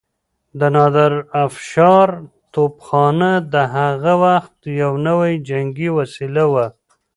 د نادرافشار توپخانه د هغه وخت يو نوی جنګي وسيله وه.